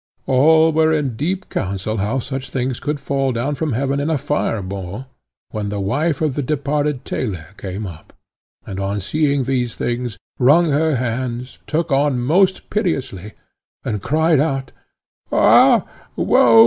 All were in deep council how such things could fall down from heaven in a fire ball, when the wife of the departed tailor came up, and, on seeing these things, wrung her hands, took on most piteously, and cried out, "Ah, woe!